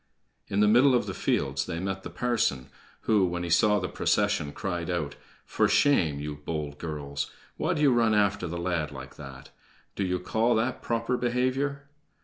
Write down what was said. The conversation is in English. In the middle of the fields they met the parson, who, when he saw the procession, cried out: "For shame, you bold girls! Why do you run after the lad like that? Do you call that proper behavior?"